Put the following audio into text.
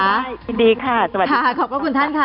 ได้ยินดีค่ะสวัสดีค่ะ